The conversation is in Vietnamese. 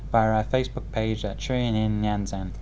via our facebook page at truyền hình nhanzen